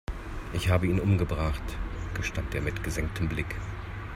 "Ich habe ihn umgebracht", gestand er mit gesenktem Blick.